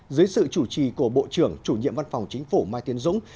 dưới sự chủ trì của bộ trưởng chủ nhiệm văn phòng chính phủ mai tiến dũng